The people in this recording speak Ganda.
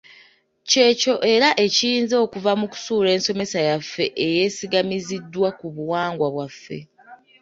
Kyekyo era ekiyinza okuva mu kusuula ensomesa yaffe eyesigamiziddwa ku buwangwa bwaffe.